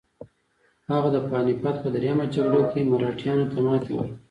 هغه د پاني پت په دریمه جګړه کې مراتیانو ته ماتې ورکړه.